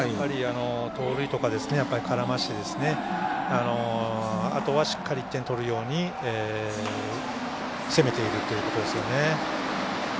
盗塁とか、絡ませてあとはしっかり１点取るように攻めているということですね。